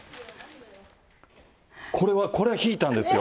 これは、これは引いたんですよ。